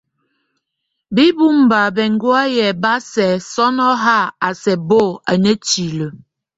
Bíbo mzba beŋgwáye bá sɛk sɔ́nɔ ha a sɛk bo a netile.